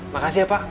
makasih ya pak